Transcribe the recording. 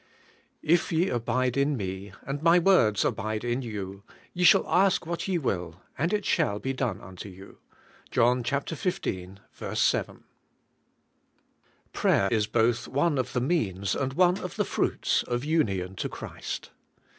'If ye abide in me, and my words abide in you, ye shall ask what ye will, and it shall be done unto you. '— John XV. 7. PRAYER is both one of the means and one of the fruits of union to Christ.